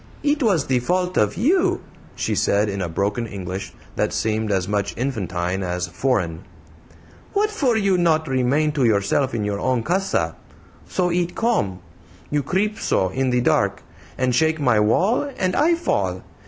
"It was the fault of you," she said, in a broken English that seemed as much infantine as foreign. "What for you not remain to yourself in your own CASA? So it come. You creep so in the dark and shake my wall, and I fall.